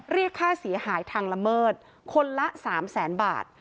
เรียกค่าเสียหายทางละเมิดคนละ๓แสนบาท